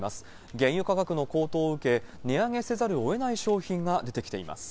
原油価格の高騰を受け、値上げせざるをえない商品が出てきています。